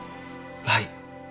はい。